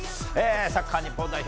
サッカー日本代表